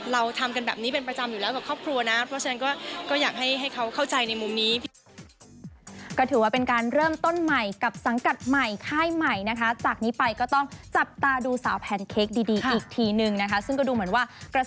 เราทำกันแบบนี้เป็นประจำอยู่แล้วกับครอบครัวนะ